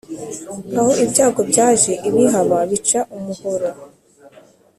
Aho ibyago byaje ibihaba bica umuhoro.